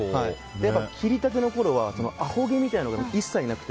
切りたてのころはあほ毛みたいなのが僕、一切なくて。